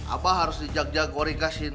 abah harus dijak jak orikasin